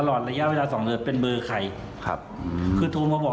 คนแรกเลยเหรอครับ